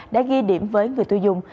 đã ghi điểm với người tiêu dùng